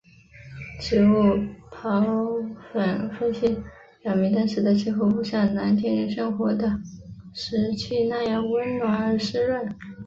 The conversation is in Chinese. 植物孢粉分析表明当时的气候不像蓝田人生活的时期那样温暖而湿润。